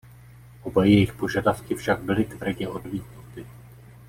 Oba jejich požadavky však byly tvrdě odmítnuty.